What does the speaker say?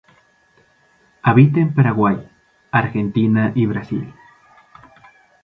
Habita en Paraguay, Argentina y Brasil.